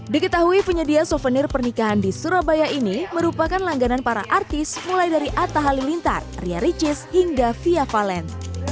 diketahui penyedia souvenir pernikahan di surabaya ini merupakan langganan para artis mulai dari atta halilintar ria ricis hingga fia valen